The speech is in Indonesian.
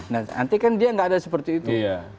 nah nanti kan dia nggak ada seperti itu